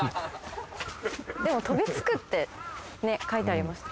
でも飛びつくってね書いてありました。